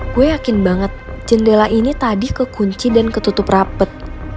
gue yakin banget jendela ini tadi kekunci dan ketutup rapet